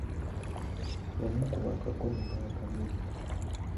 Yamukuba akakono n'akamenya.